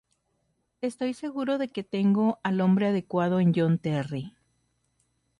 Estoy seguro de que tengo al hombre adecuado en John Terry.